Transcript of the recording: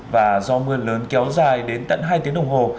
và do mưa lớn kéo dài đến tận hai tiếng đồng hồ